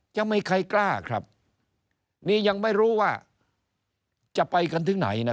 ยังไม่ใครกล้านี่ยังไม่รู้ว่าจะไปกันทั้งไหน